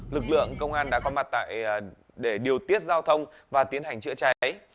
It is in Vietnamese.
lực lượng công an đã có mặt để điều tiết giao thông và tiến hành chữa cháy